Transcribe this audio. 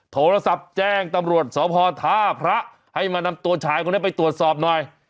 โทรศัพท์แจ้งตำรวจสพท่าพระให้มานำตัวชายคนนี้ไปตรวจสอบหน่อย